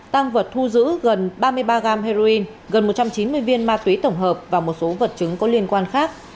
tăng vật thu giữ gần ba mươi ba gam heroin gần một trăm chín mươi viên ma túy tổng hợp và một số vật chứng có liên quan khác